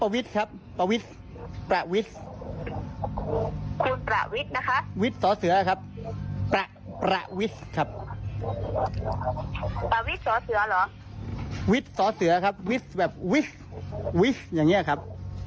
วิธย์สอเสือครับวิธย์แบบวิธย์วิธย์อย่างเนี่ยครับ